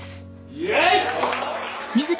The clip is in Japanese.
イエイ